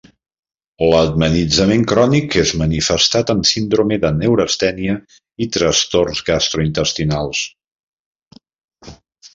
L'emmetzinament crònic és manifestat amb síndrome de neurastènia i trastorns gastrointestinal.